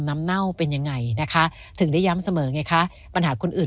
เน่าเป็นยังไงนะคะถึงได้ย้ำเสมอไงคะปัญหาคนอื่น